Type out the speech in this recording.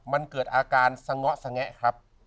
มันเกิดอาการสง้อสงแงะครับ